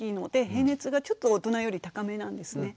平熱がちょっと大人より高めなんですね。